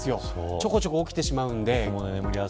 ちょこちょこ起きてしまうので。